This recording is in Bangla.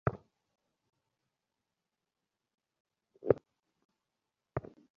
তাঁদের তিন বছর বয়সী প্রেম নতুন বছরের শুরুতে পরিণতির দিকে এগোল।